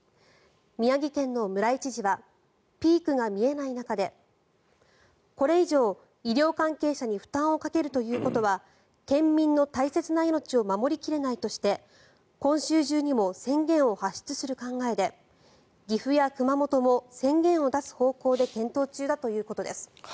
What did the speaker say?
宮城県の村井知事はピークが見えない中でこれ以上、医療関係者に負担をかけるということは県民の大切な命を守り切れないとして今週中にも宣言を発出する考えで岐阜や熊本も宣言を出す方向で検討中だということです。